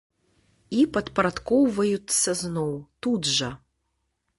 І падпарадкоўваюцца зноў, тут жа.